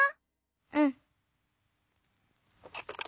うん。